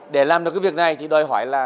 để làm được việc này thì đòi hỏi là